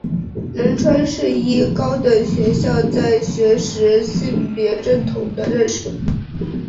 仁川世一高等学校在学时性别认同的认识。